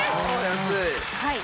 安い。